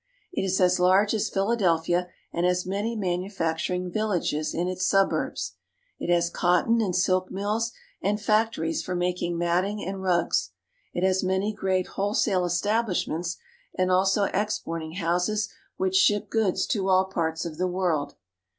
It is as large as Phila delphia and has many manufacturing vil lages in its suburbs. It has cotton and silk mills, and factories for making matting and rugs. It has many great wholesale establishments and also exporting houses which ship goods to all parts of the world.